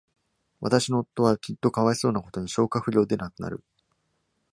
私の夫はきっと、かわいそうなことに、消化不良で亡くなる。